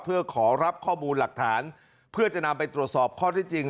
เพื่อขอรับข้อมูลหลักฐานเพื่อจะนำไปตรวจสอบข้อที่จริง